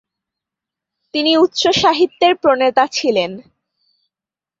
তিনি উচ্চ সাহিত্যের প্রণেতা ছিলেন।